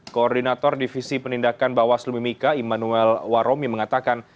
koordinator divisi penindakan bawaslu mimika immanuel waromi mengatakan